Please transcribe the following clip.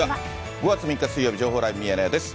５月３日水曜日、情報ライブミヤネ屋です。